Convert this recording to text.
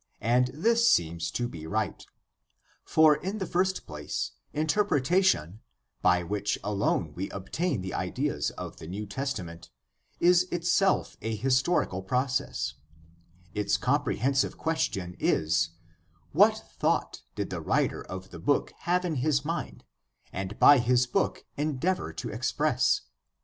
And this seems to be right. For, in the first place, interpretation, by i6s 1 66 GUIDE TO STUDY OF CHRISTIAN RELIGION which alone we obtain the ideas of the New Testament, is itself a historical process. Its comprehensive question is, What thought did the writer of the book have in his mind and by his book endeavor to express